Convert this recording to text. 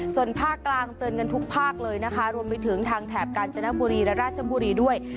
ส่วนภาคกลางเตือนกันทุกภาคเลยนะคะรวมไปถึงทางแถบกาญจนบุรีและราชบุรีด้วย